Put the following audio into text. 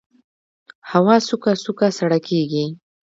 هوا سوکه سوکه سړه کېږي